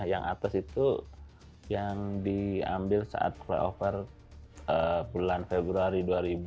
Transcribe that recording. yang atas itu yang diambil saat flyover bulan februari dua ribu dua puluh